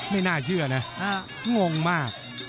ไม่น่าเชื่อนะงงมาก